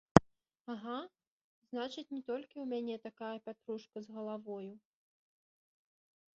Ага, значыць, не толькі ў мяне такая пятрушка з галавою.